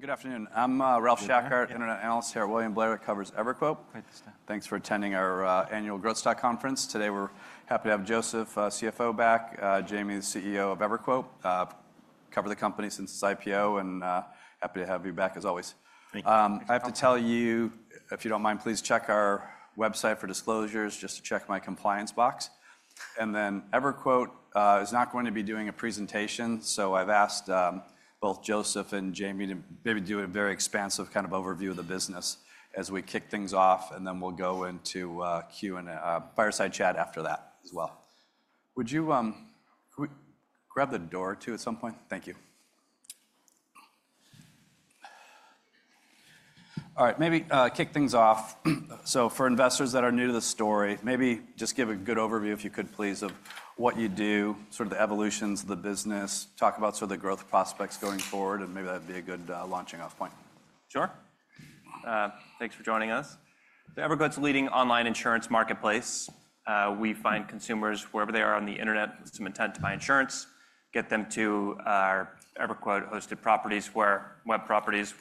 Good afternoon. I'm Ralph Schackart, Internet Analyst here at William Blair that covers EverQuote. Great to stand. Thanks for attending our annual Growth Stock Conference. Today we're happy to have Joseph Sanborn, CFO, back; Jayme Mendal, the CEO of EverQuote. I've covered the company since its IPO, and happy to have you back, as always. Thank you. I have to tell you, if you don't mind, please check our website for disclosures, just to check my compliance box. EverQuote is not going to be doing a presentation, so I've asked both Joseph and Jayme to maybe do a very expansive kind of overview of the business as we kick things off, and then we'll go into Q&A fireside chat after that as well. Would you grab the door too at some point? Thank you. All right, maybe kick things off. For investors that are new to the story, maybe just give a good overview, if you could, please, of what you do, sort of the evolutions of the business, talk about sort of the growth prospects going forward, and maybe that'd be a good launching-off point. Sure. Thanks for joining us. EverQuote's a leading online insurance marketplace. We find consumers, wherever they are on the internet, with some intent to buy insurance, get them to our EverQuote-hosted properties, web properties,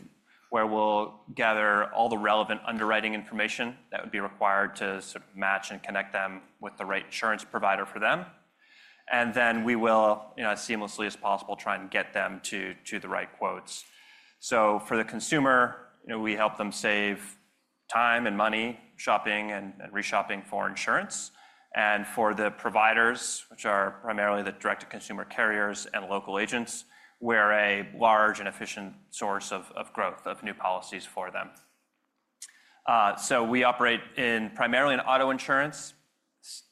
where we'll gather all the relevant underwriting information that would be required to sort of match and connect them with the right insurance provider for them. We will, as seamlessly as possible, try and get them to the right quotes. For the consumer, we help them save time and money shopping and reshopping for insurance. For the providers, which are primarily the direct-to-consumer carriers and local agents, we're a large and efficient source of growth, of new policies for them. We operate primarily in auto insurance.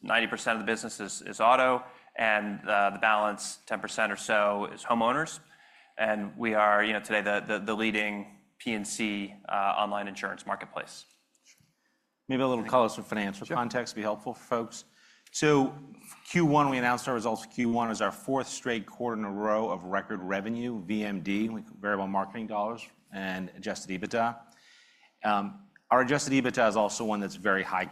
90% of the business is auto, and the balance, 10% or so, is homeowners. We are today the leading P&C online insurance marketplace. Maybe a little call-outs for financial context would be helpful for folks. Q1, we announced our results. Q1 is our fourth straight quarter in a row of record revenue, VMD, variable marketing dollars, and adjusted EBITDA. Our adjusted EBITDA is also one that's very high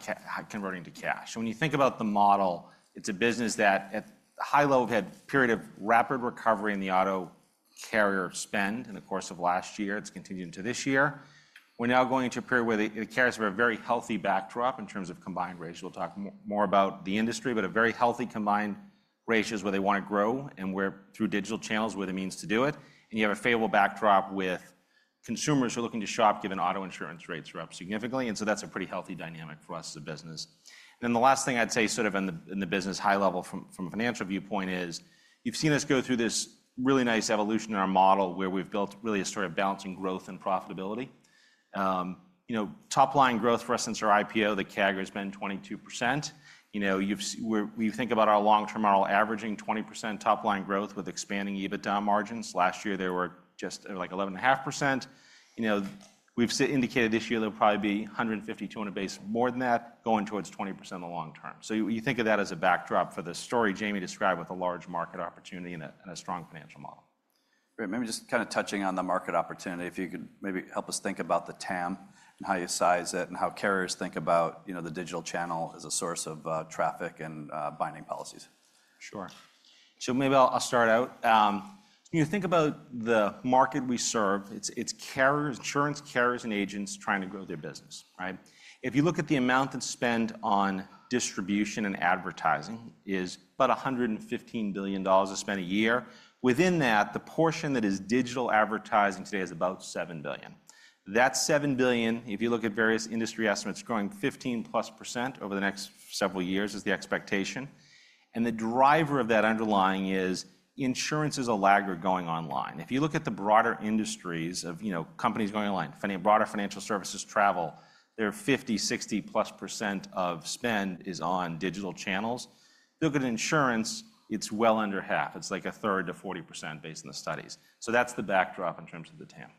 converting to cash. When you think about the model, it's a business that, at a high level, had a period of rapid recovery in the auto carrier spend in the course of last year. It's continued into this year. We're now going into a period where the carriers have a very healthy backdrop in terms of combined ratio. We'll talk more about the industry, but a very healthy combined ratio is where they want to grow and where through digital channels, where the means to do it. You have a favorable backdrop with consumers who are looking to shop, given auto insurance rates are up significantly. That is a pretty healthy dynamic for us as a business. The last thing I would say, sort of in the business high level from a financial viewpoint, is you have seen us go through this really nice evolution in our model where we have built really a sort of balancing growth and profitability. Top-line growth, for instance, our IPO, the CAGR has been 22%. We think about our long-term ROI, averaging 20% top-line growth with expanding EBITDA margins. Last year, they were just like 11.5%. We have indicated this year there will probably be 150-200 basis points more than that, going towards 20% in the long term. You think of that as a backdrop for the story Jayme described with a large market opportunity and a strong financial model. Great. Maybe just kind of touching on the market opportunity, if you could maybe help us think about the TAM and how you size it and how carriers think about the digital channel as a source of traffic and binding policies. Sure. So maybe I'll start out. You think about the market we serve. It's insurance carriers and agents trying to grow their business, right? If you look at the amount of spend on distribution and advertising, it is about $115 billion of spend a year. Within that, the portion that is digital advertising today is about $7 billion. That $7 billion, if you look at various industry estimates, growing 15% plus over the next several years is the expectation. The driver of that underlying is insurance's aggregator going online. If you look at the broader industries of companies going online, broader financial services, travel, their 50%-60% plus of spend is on digital channels. Look at insurance, it's well under half. It's like a third to 40% based on the studies. That's the backdrop in terms of the TAM.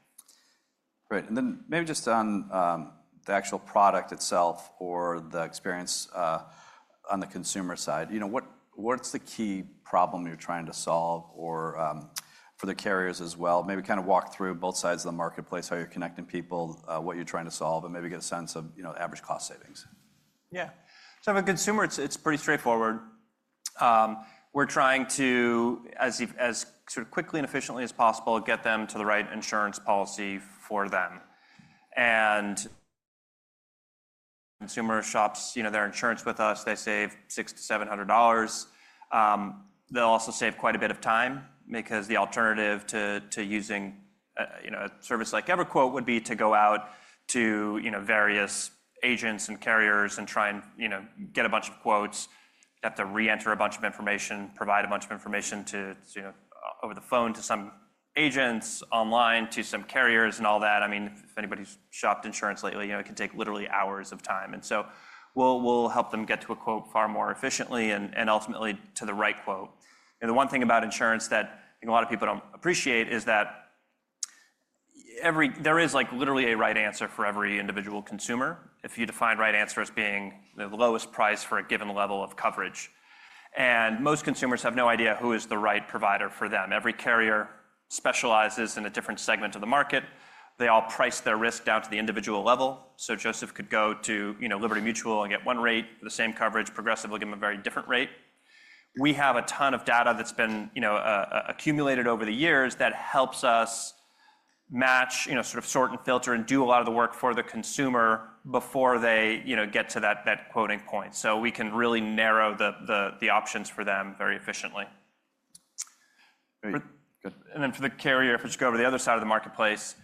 Great. Maybe just on the actual product itself or the experience on the consumer side, what's the key problem you're trying to solve or for the carriers as well? Maybe kind of walk through both sides of the marketplace, how you're connecting people, what you're trying to solve, and maybe get a sense of average cost savings. Yeah. For consumer, it's pretty straightforward. We're trying to, as quickly and efficiently as possible, get them to the right insurance policy for them. Consumer shops their insurance with us, they save $600 to $700. They'll also save quite a bit of time because the alternative to using a service like EverQuote would be to go out to various agents and carriers and try and get a bunch of quotes. You have to re-enter a bunch of information, provide a bunch of information over the phone to some agents, online to some carriers and all that. I mean, if anybody's shopped insurance lately, it can take literally hours of time. We'll help them get to a quote far more efficiently and ultimately to the right quote. The one thing about insurance that a lot of people do not appreciate is that there is literally a right answer for every individual consumer, if you define right answer as being the lowest price for a given level of coverage. Most consumers have no idea who is the right provider for them. Every carrier specializes in a different segment of the market. They all price their risk down to the individual level. Joseph could go to Liberty Mutual and get one rate for the same coverage, Progressive will give him a very different rate. We have a ton of data that has been accumulated over the years that helps us match, sort of sort and filter and do a lot of the work for the consumer before they get to that quoting point. We can really narrow the options for them very efficiently. Great. Good. For the carrier, if we just go over to the other side of the marketplace,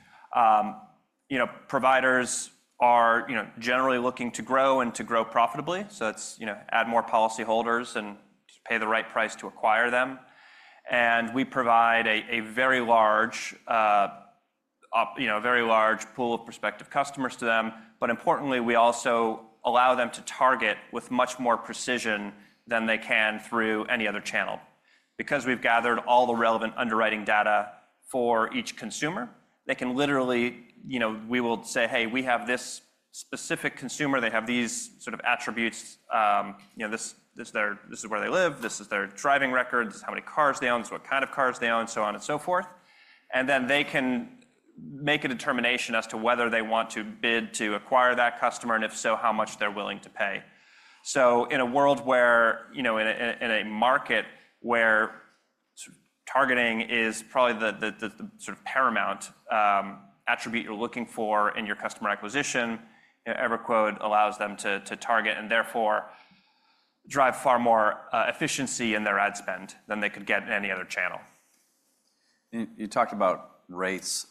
providers are generally looking to grow and to grow profitably. It is add more policyholders and pay the right price to acquire them. We provide a very large pool of prospective customers to them. Importantly, we also allow them to target with much more precision than they can through any other channel. Because we have gathered all the relevant underwriting data for each consumer, they can literally, we will say, "Hey, we have this specific consumer. They have these sort of attributes. This is where they live. This is their driving record. This is how many cars they own. This is what kind of cars they own," so on and so forth. They can make a determination as to whether they want to bid to acquire that customer and if so, how much they're willing to pay. In a world where in a market where targeting is probably the sort of paramount attribute you're looking for in your customer acquisition, EverQuote allows them to target and therefore drive far more efficiency in their ad spend than they could get in any other channel. You talked about rates.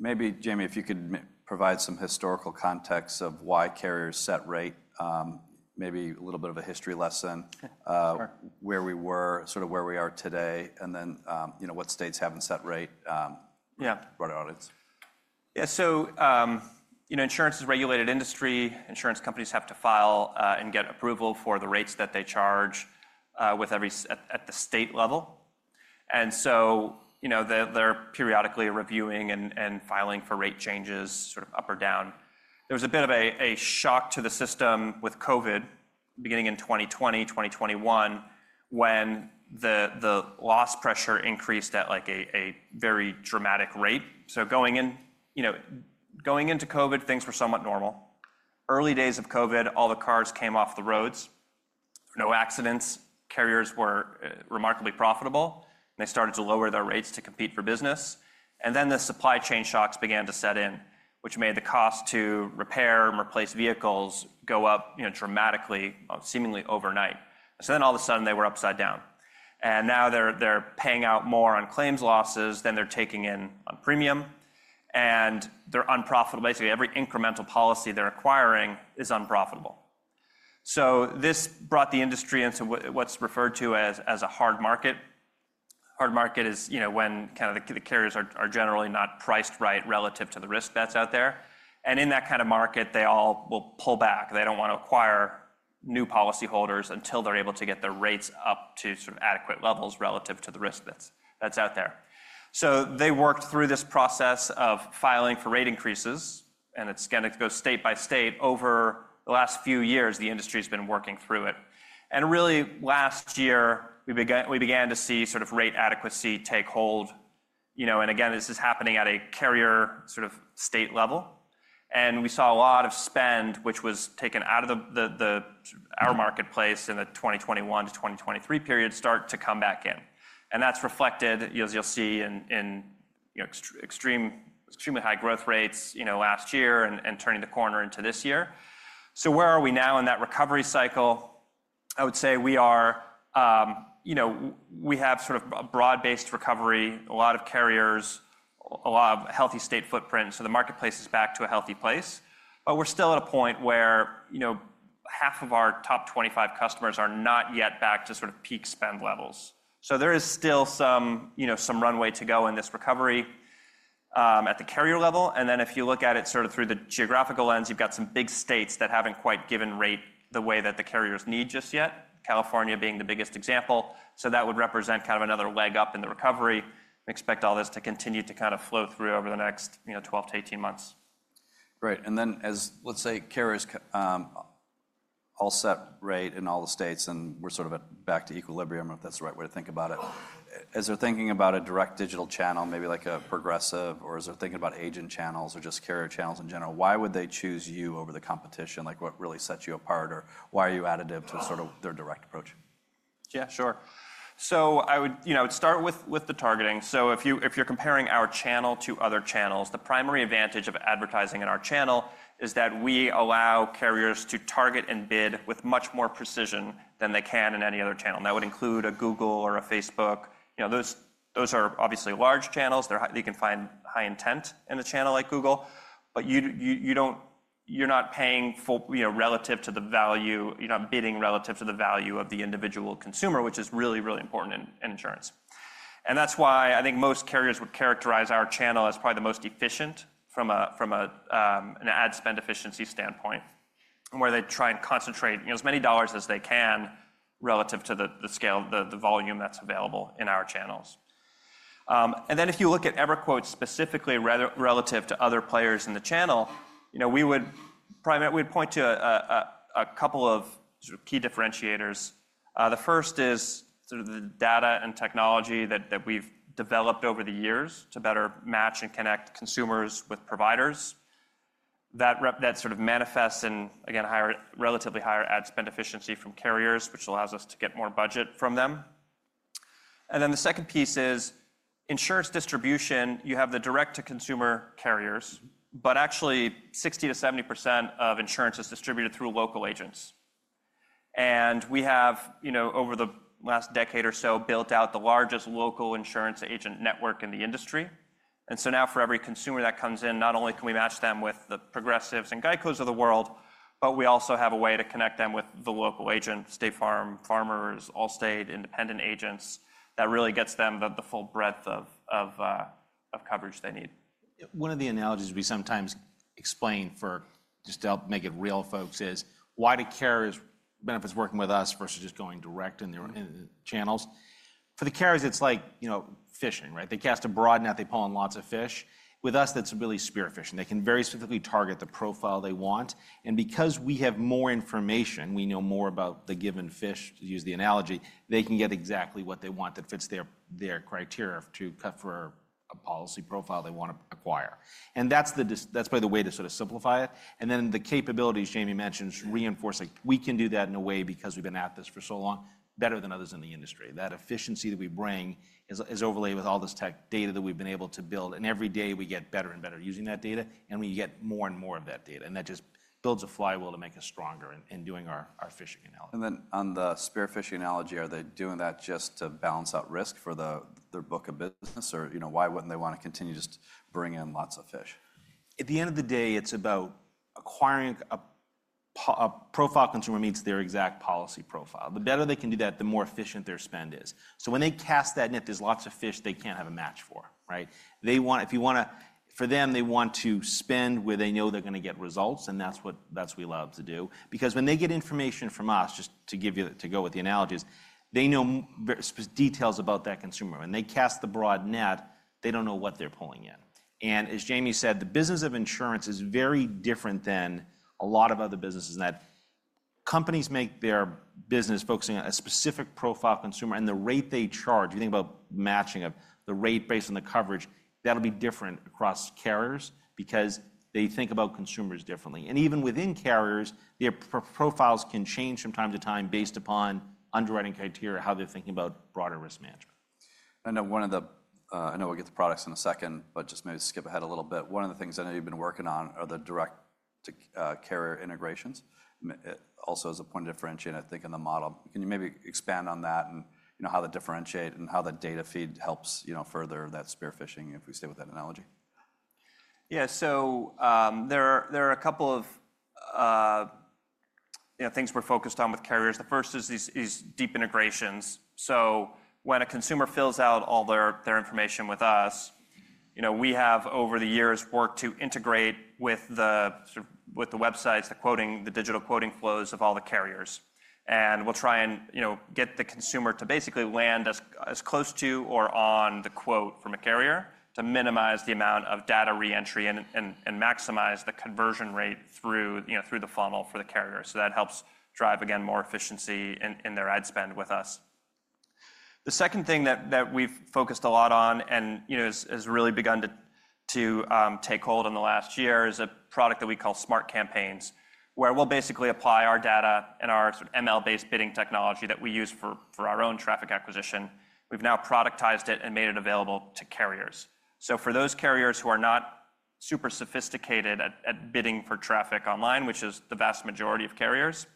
Maybe, Jayme, if you could provide some historical context of why carriers set rate, maybe a little bit of a history lesson, where we were, sort of where we are today, and then what states haven't set rate broader audience. Yeah. Insurance is a regulated industry. Insurance companies have to file and get approval for the rates that they charge at the state level. They are periodically reviewing and filing for rate changes, sort of up or down. There was a bit of a shock to the system with COVID beginning in 2020, 2021, when the loss pressure increased at a very dramatic rate. Going into COVID, things were somewhat normal. Early days of COVID, all the cars came off the roads. No accidents. Carriers were remarkably profitable. They started to lower their rates to compete for business. The supply chain shocks began to set in, which made the cost to repair and replace vehicles go up dramatically, seemingly overnight. All of a sudden, they were upside down. Now they are paying out more on claims losses than they are taking in on premium. They're unprofitable. Basically, every incremental policy they're acquiring is unprofitable. This brought the industry into what's referred to as a hard market. A hard market is when the carriers are generally not priced right relative to the risk that's out there. In that kind of market, they all will pull back. They do not want to acquire new policyholders until they're able to get their rates up to adequate levels relative to the risk that's out there. They worked through this process of filing for rate increases. It's going to go state by state. Over the last few years, the industry has been working through it. Last year, we began to see rate adequacy take hold. This is happening at a carrier state level. We saw a lot of spend, which was taken out of our marketplace in the 2021 to 2023 period, start to come back in. That is reflected, as you'll see, in extremely high growth rates last year and turning the corner into this year. Where are we now in that recovery cycle? I would say we have sort of a broad-based recovery, a lot of carriers, a lot of healthy state footprint. The marketplace is back to a healthy place. We're still at a point where half of our top 25 customers are not yet back to sort of peak spend levels. There is still some runway to go in this recovery at the carrier level. If you look at it sort of through the geographical lens, you've got some big states that haven't quite given rate the way that the carriers need just yet, California being the biggest example. That would represent kind of another leg up in the recovery. We expect all this to continue to kind of flow through over the next 12-18 months. Great. As carriers all set rate in all the states and we're sort of back to equilibrium, if that's the right way to think about it, as they're thinking about a direct digital channel, maybe like a Progressive, or as they're thinking about agent channels or just carrier channels in general, why would they choose you over the competition? What really sets you apart? Why are you additive to sort of their direct approach? Yeah, sure. I would start with the targeting. If you're comparing our channel to other channels, the primary advantage of advertising in our channel is that we allow carriers to target and bid with much more precision than they can in any other channel. That would include a Google or a Facebook. Those are obviously large channels. They can find high intent in a channel like Google. You're not paying relative to the value. You're not bidding relative to the value of the individual consumer, which is really, really important in insurance. That's why I think most carriers would characterize our channel as probably the most efficient from an ad spend efficiency standpoint, where they try and concentrate as many dollars as they can relative to the scale, the volume that's available in our channels. If you look at EverQuote specifically relative to other players in the channel, we would point to a couple of key differentiators. The first is sort of the data and technology that we have developed over the years to better match and connect consumers with providers. That sort of manifests in, again, relatively higher ad spend efficiency from carriers, which allows us to get more budget from them. The second piece is insurance distribution. You have the direct-to-consumer carriers, but actually 60%-70% of insurance is distributed through local agents. We have, over the last decade or so, built out the largest local insurance agent network in the industry. Now for every consumer that comes in, not only can we match them with the Progressives and GEICO of the world, but we also have a way to connect them with the local agent, State Farm, Farmers, Allstate, independent agents. That really gets them the full breadth of coverage they need. One of the analogies we sometimes explain for just to help make it real, folks, is why do carriers benefit from working with us versus just going direct in the channels? For the carriers, it's like fishing, right? They cast a broad net. They pull in lots of fish. With us, that's really spearfishing. They can very specifically target the profile they want. And because we have more information, we know more about the given fish, to use the analogy, they can get exactly what they want that fits their criteria to cut for a policy profile they want to acquire. That's probably the way to sort of simplify it. The capabilities Jayme mentioned reinforce it. we can do that in a way because we've been at this for so long, better than others in the industry. That efficiency that we bring is overlaid with all this tech data that we've been able to build. Every day we get better and better using that data, and we get more and more of that data. That just builds a flywheel to make us stronger in doing our fishing analogy. On the spearfishing analogy, are they doing that just to balance out risk for their book of business? Why wouldn't they want to continue just bringing in lots of fish? At the end of the day, it's about acquiring a profile consumer meets their exact policy profile. The better they can do that, the more efficient their spend is. When they cast that net, there's lots of fish they can't have a match for, right? If you want to, for them, they want to spend where they know they're going to get results. That's what we love to do. Because when they get information from us, just to go with the analogies, they know details about that consumer. When they cast the broad net, they don't know what they're pulling in. As Jayme said, the business of insurance is very different than a lot of other businesses in that companies make their business focusing on a specific profile consumer. The rate they charge, if you think about matching of the rate based on the coverage, that'll be different across carriers because they think about consumers differently. Even within carriers, their profiles can change from time to time based upon underwriting criteria, how they're thinking about broader risk management. I know one of the, I know we'll get to products in a second, but just maybe skip ahead a little bit. One of the things I know you've been working on are the direct-to-carrier integrations, also as a point of differentiation, I think, in the model. Can you maybe expand on that and how to differentiate and how the data feed helps further that spearfishing, if we stay with that analogy? Yeah. There are a couple of things we're focused on with carriers. The first is these deep integrations. When a consumer fills out all their information with us, we have, over the years, worked to integrate with the websites, the quoting, the digital quoting flows of all the carriers. We'll try and get the consumer to basically land as close to or on the quote from a carrier to minimize the amount of data reentry and maximize the conversion rate through the funnel for the carrier. That helps drive, again, more efficiency in their ad spend with us. The second thing that we've focused a lot on and has really begun to take hold in the last year is a product that we call Smart Campaigns, where we'll basically apply our data and our ML-based bidding technology that we use for our own traffic acquisition. We've now productized it and made it available to carriers. For those carriers who are not super sophisticated at bidding for traffic online, which is the vast majority of carriers,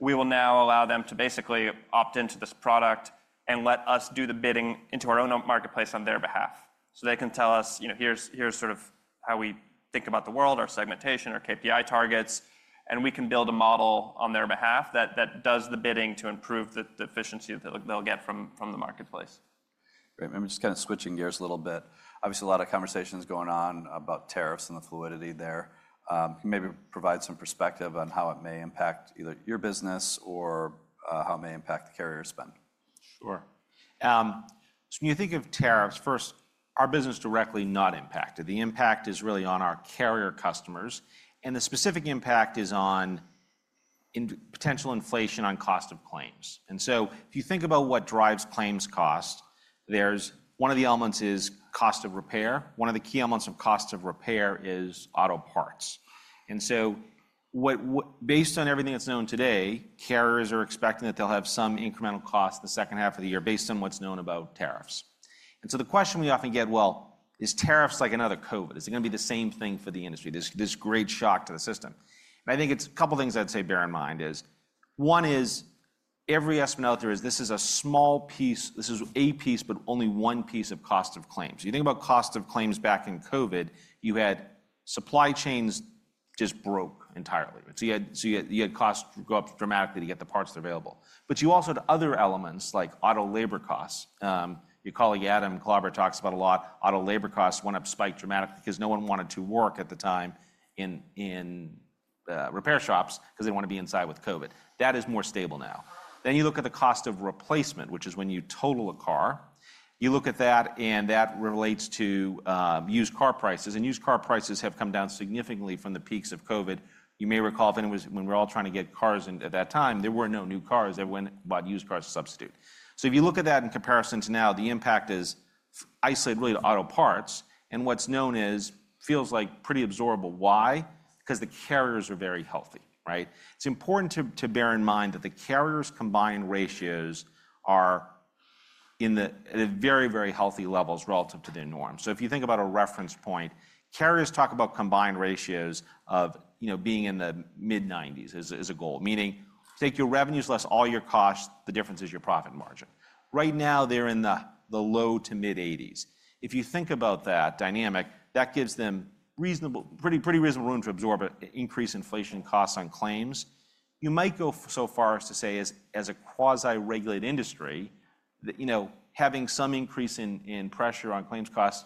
we will now allow them to basically opt into this product and let us do the bidding into our own marketplace on their behalf. They can tell us, "Here's sort of how we think about the world, our segmentation, our KPI targets." We can build a model on their behalf that does the bidding to improve the efficiency that they'll get from the marketplace. Great. I'm just kind of switching gears a little bit. Obviously, a lot of conversation is going on about tariffs and the fluidity there. Can you maybe provide some perspective on how it may impact either your business or how it may impact carrier spend? Sure. When you think of tariffs, first, our business is directly not impacted. The impact is really on our carrier customers. The specific impact is on potential inflation on cost of claims. If you think about what drives claims cost, one of the elements is cost of repair. One of the key elements of cost of repair is auto parts. Based on everything that's known today, carriers are expecting that they'll have some incremental costs the second half of the year based on what's known about tariffs. The question we often get, "Is tariffs like another COVID? Is it going to be the same thing for the industry? This great shock to the system? I think it's a couple of things I'd say bear in mind. One is every estimate out there is this is a small piece, this is a piece, but only one piece of cost of claims. You think about cost of claims back in COVID, you had supply chains just broke entirely. You had costs go up dramatically to get the parts that are available. You also had other elements like auto labor costs. Your colleague Adam Glauber talks about a lot. Auto labor costs went up, spiked dramatically because no one wanted to work at the time in repair shops because they didn't want to be inside with COVID. That is more stable now. You look at the cost of replacement, which is when you total a car. You look at that, and that relates to used car prices. Used car prices have come down significantly from the peaks of COVID. You may recall when we were all trying to get cars at that time, there were no new cars. Everyone bought used cars to substitute. If you look at that in comparison to now, the impact is isolated really to auto parts. What's known is feels like pretty absorbable. Why? Because the carriers are very healthy, right? It's important to bear in mind that the carriers' combined ratios are at very, very healthy levels relative to their norm. If you think about a reference point, carriers talk about combined ratios of being in the mid-90s as a goal. Meaning, take your revenues less all your costs, the difference is your profit margin. Right now, they're in the low to mid-80s. If you think about that dynamic, that gives them pretty reasonable room to absorb increased inflation costs on claims. You might go so far as to say, as a quasi-regulated industry, having some increase in pressure on claims costs,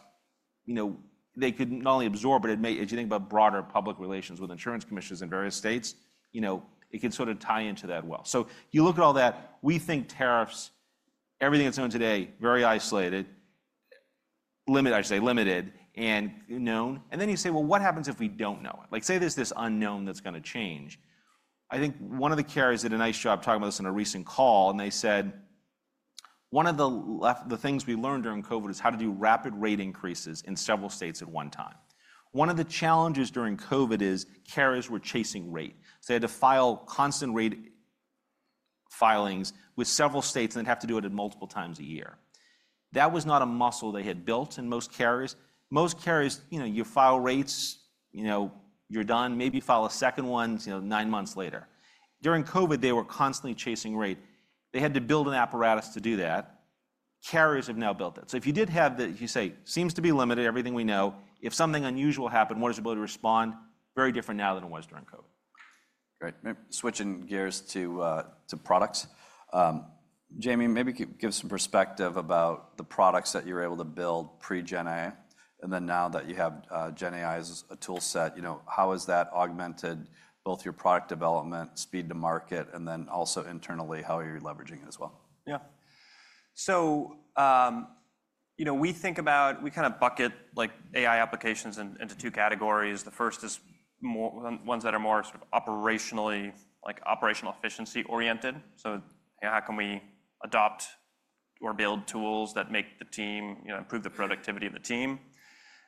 they could not only absorb, but as you think about broader public relations with insurance commissions in various states, it could sort of tie into that well. You look at all that. We think tariffs, everything that is known today, very isolated, limited, I should say, limited and known. You say, "What happens if we do not know it?" Like, say there is this unknown that is going to change. I think one of the carriers did a nice job talking about this on a recent call. One of the things we learned during COVID is how to do rapid rate increases in several states at one time." One of the challenges during COVID is carriers were chasing rate. They had to file constant rate filings with several states, and they'd have to do it multiple times a year. That was not a muscle they had built in most carriers. Most carriers, you file rates, you're done. Maybe file a second one nine months later. During COVID, they were constantly chasing rate. They had to build an apparatus to do that. Carriers have now built it. If you did have the, you say, seems to be limited, everything we know, if something unusual happened, what is your ability to respond? Very different now than it was during COVID. Great. Maybe switching gears to products. Jayme, maybe give some perspective about the products that you were able to build pre-GenAI. And then now that you have GenAI as a toolset, how has that augmented both your product development, speed to market, and then also internally, how are you leveraging it as well? Yeah. We think about, we kind of bucket AI applications into two categories. The first is ones that are more sort of operationally, like operational efficiency oriented. How can we adopt or build tools that make the team, improve the productivity of the team?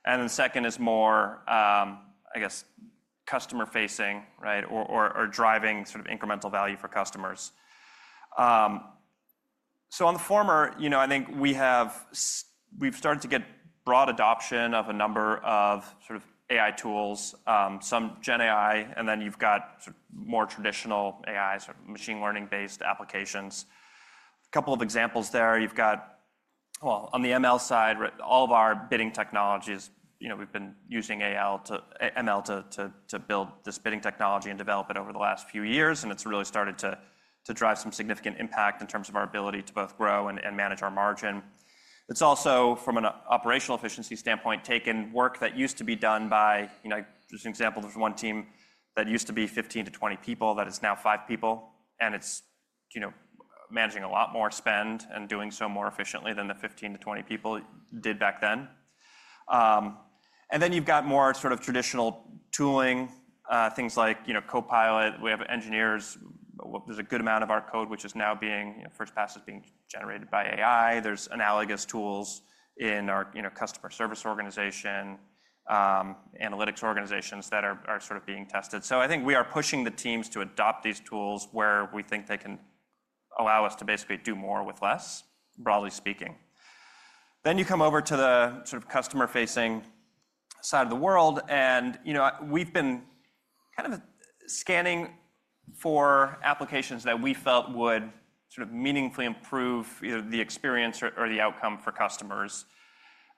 The second is more, I guess, customer-facing, right, or driving sort of incremental value for customers. On the former, I think we've started to get broad adoption of a number of sort of AI tools, some GenAI, and then you've got more traditional AI, sort of machine learning-based applications. A couple of examples there. You've got, well, on the ML side, all of our bidding technologies, we've been using ML to build this bidding technology and develop it over the last few years. It really started to drive some significant impact in terms of our ability to both grow and manage our margin. It is also, from an operational efficiency standpoint, taken work that used to be done by, as an example, there is one team that used to be 15-20 people that is now five people. It is managing a lot more spend and doing so more efficiently than the 15-20 people did back then. You have more sort of traditional tooling, things like Copilot. We have engineers. There is a good amount of our code, which is now being first pass is being generated by AI. There are analogous tools in our customer service organization, analytics organizations that are sort of being tested. I think we are pushing the teams to adopt these tools where we think they can allow us to basically do more with less, broadly speaking. You come over to the sort of customer-facing side of the world. We've been kind of scanning for applications that we felt would sort of meaningfully improve either the experience or the outcome for customers.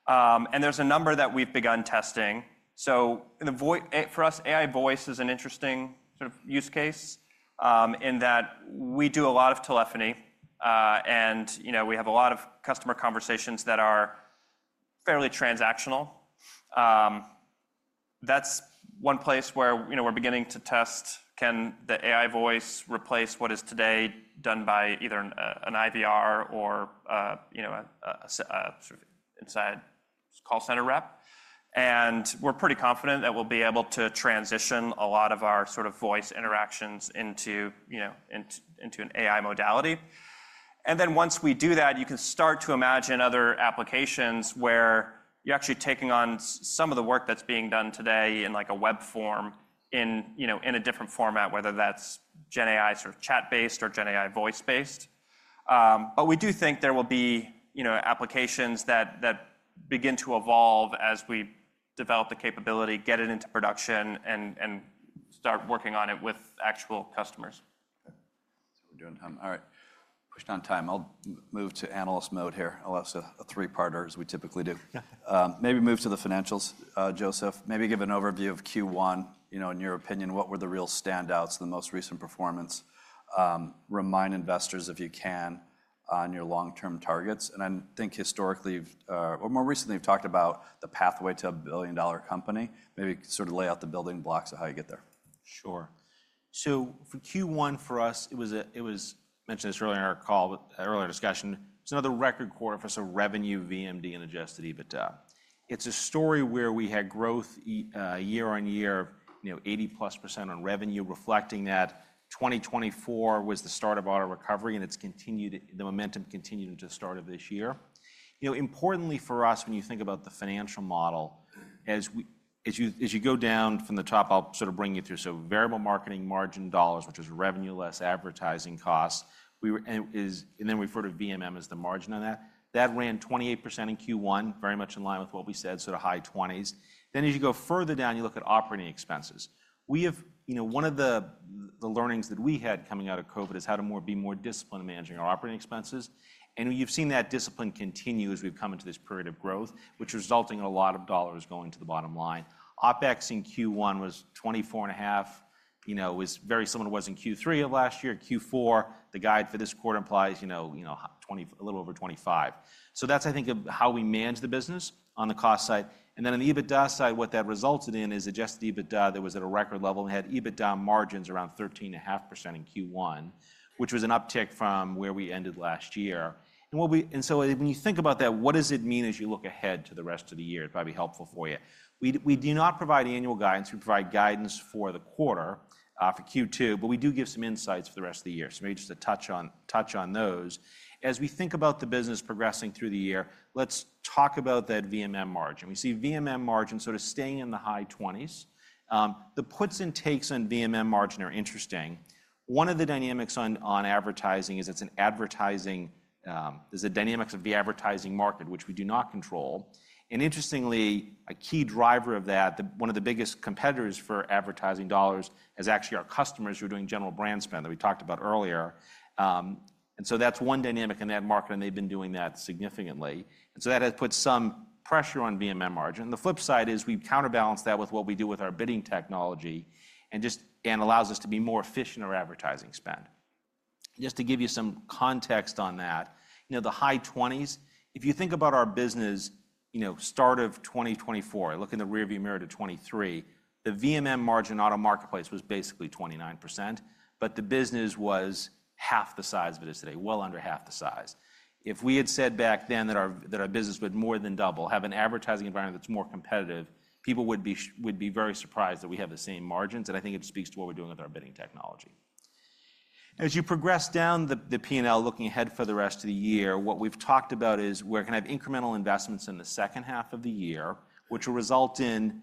There's a number that we've begun testing. For us, AI Voice is an interesting sort of use case in that we do a lot of telephony. We have a lot of customer conversations that are fairly transactional. That's one place where we're beginning to test, can the AI Voice replace what is today done by either an IVR or a sort of inside call center rep? We are pretty confident that we'll be able to transition a lot of our sort of voice interactions into an AI modality. Once we do that, you can start to imagine other applications where you're actually taking on some of the work that's being done today in a web form in a different format, whether that's GenAI sort of chat-based or GenAI Voice-based. We do think there will be applications that begin to evolve as we develop the capability, get it into production, and start working on it with actual customers. Okay. So we're doing time. All right. Pushed on time. I'll move to analyst mode here. I'll ask a three-parter, as we typically do. Maybe move to the financials, Joseph. Maybe give an overview of Q1. In your opinion, what were the real standouts, the most recent performance? Remind investors, if you can, on your long-term targets. I think historically, or more recently, you've talked about the pathway to a billion-dollar company. Maybe sort of lay out the building blocks of how you get there. Sure. For Q1 for us, it was, I mentioned this earlier in our call, earlier discussion, it's another record quarter for revenue, VMD, and adjusted EBITDA. It's a story where we had growth year on year of 80-plus % on revenue, reflecting that 2024 was the start of auto recovery. The momentum continued into the start of this year. Importantly for us, when you think about the financial model, as you go down from the top, I'll sort of bring you through. Variable marketing margin dollars, which is revenue less advertising costs, and then we refer to VMM as the margin on that. That ran 28% in Q1, very much in line with what we said, sort of high 20s. As you go further down, you look at operating expenses. One of the learnings that we had coming out of COVID is how to be more disciplined in managing our operating expenses. You've seen that discipline continue as we've come into this period of growth, which is resulting in a lot of dollars going to the bottom line. OpEx in Q1 was $24.5 million, was very similar to what was in Q3 of last year. Q4, the guide for this quarter implies a little over $25 million. That's, I think, how we manage the business on the cost side. On the EBITDA side, what that resulted in is adjusted EBITDA that was at a record level and had EBITDA margins around 13.5% in Q1, which was an uptick from where we ended last year. When you think about that, what does it mean as you look ahead to the rest of the year? It'd probably be helpful for you. We do not provide annual guidance. We provide guidance for the quarter, for Q2, but we do give some insights for the rest of the year. Maybe just a touch on those. As we think about the business progressing through the year, let's talk about that VMM margin. We see VMM margin sort of staying in the high 20s. The puts and takes on VMM margin are interesting. One of the dynamics on advertising is it's a dynamic of the advertising market, which we do not control. Interestingly, a key driver of that, one of the biggest competitors for advertising dollars is actually our customers who are doing general brand spend that we talked about earlier. That is one dynamic in that market, and they've been doing that significantly. That has put some pressure on VMM margin. The flip side is we've counterbalanced that with what we do with our bidding technology and allows us to be more efficient in our advertising spend. Just to give you some context on that, the high 20s, if you think about our business start of 2024, look in the rearview mirror to 2023, the VMM margin auto marketplace was basically 29%, but the business was half the size of it is today, well under half the size. If we had said back then that our business would more than double, have an advertising environment that's more competitive, people would be very surprised that we have the same margins. I think it speaks to what we're doing with our bidding technology. As you progress down the P&L looking ahead for the rest of the year, what we've talked about is we're going to have incremental investments in the second half of the year, which will result in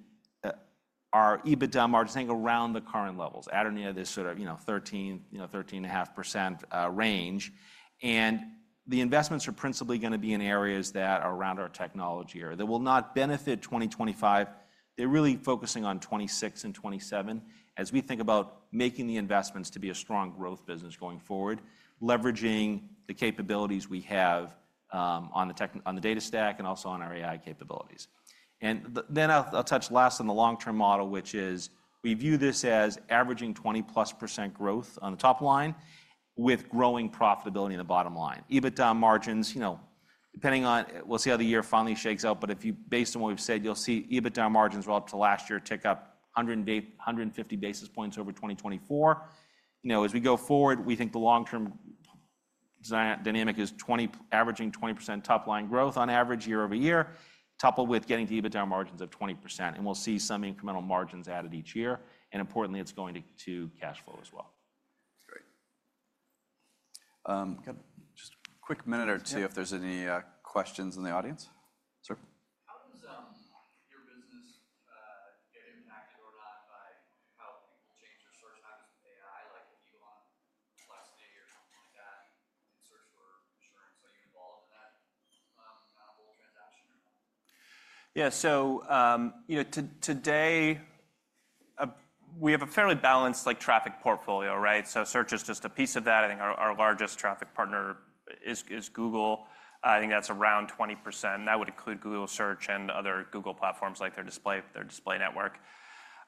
our EBITDA margin staying around the current levels, at or near this sort of 13-13.5% range. The investments are principally going to be in areas that are around our technology area. They will not benefit 2025. They're really focusing on 2026 and 2027 as we think about making the investments to be a strong growth business going forward, leveraging the capabilities we have on the data stack and also on our AI capabilities. I'll touch last on the long-term model, which is we view this as averaging 20-plus % growth on the top line with growing profitability in the bottom line. EBITDA margins, depending on, we'll see how the year finally shakes out, but based on what we've said, you'll see EBITDA margins were up to last year tick up 150 basis points over 2024. As we go forward, we think the long-term dynamic is averaging 20% top line growth on average year over year, coupled with getting to EBITDA margins of 20%. We will see some incremental margins added each year. Importantly, it's going to cash flow as well. That's great. Just a quick minute or two if there's any questions in the audience. Sir. How does your business get impacted or not by how people change or search? How does AI, like Elon something like that, in search for insurance? Are you involved in that kind of whole transaction or not? Yeah. Today, we have a fairly balanced traffic portfolio, right? Search is just a piece of that. I think our largest traffic partner is Google. I think that's around 20%. That would include Google Search and other Google platforms like their Display Network.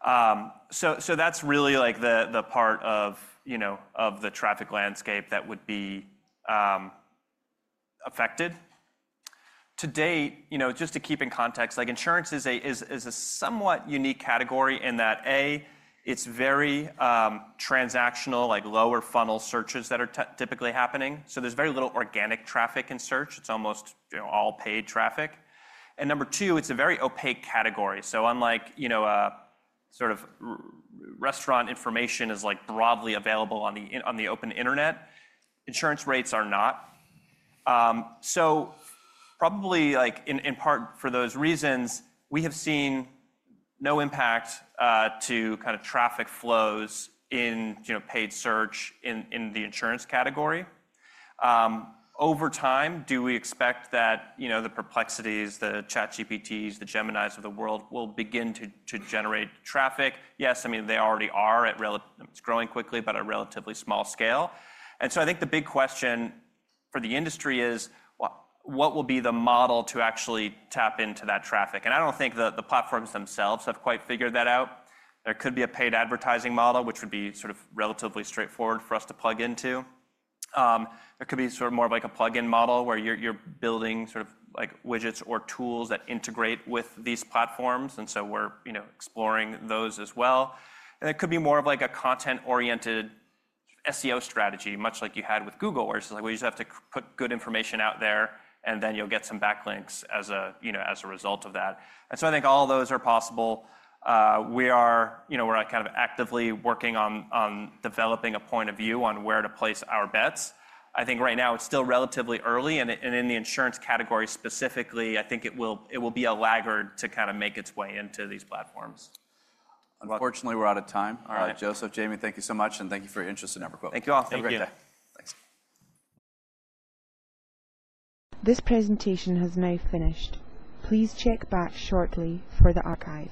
That's really the part of the traffic landscape that would be affected. To date, just to keep in context, insurance is a somewhat unique category in that, A, it's very transactional, like lower funnel searches that are typically happening. There's very little organic traffic in search. It's almost all paid traffic. Number two, it's a very opaque category. Unlike sort of restaurant information is broadly available on the open internet, insurance rates are not. Probably in part for those reasons, we have seen no impact to kind of traffic flows in paid search in the insurance category. Over time, do we expect that the Perplexity, the ChatGPTs, the Geminis of the world will begin to generate traffic? Yes. I mean, they already are. It is growing quickly, but at a relatively small scale. I think the big question for the industry is, what will be the model to actually tap into that traffic? I do not think the platforms themselves have quite figured that out. There could be a paid advertising model, which would be sort of relatively straightforward for us to plug into. There could be sort of more of like a plug-in model where you are building sort of widgets or tools that integrate with these platforms. We are exploring those as well. It could be more of like a content-oriented SEO strategy, much like you had with Google, where it's just like we just have to put good information out there, and then you'll get some backlinks as a result of that. I think all those are possible. We're kind of actively working on developing a point of view on where to place our bets. I think right now it's still relatively early. In the insurance category specifically, I think it will be a laggard to kind of make its way into these platforms. Unfortunately, we're out of time. All right, Joseph, Jayme, thank you so much. Thank you for your interest in EverQuote. Thank you all. Have a great day. Thanks. This presentation has now finished. Please check back shortly for the archive.